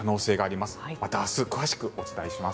また明日、詳しくお伝えします。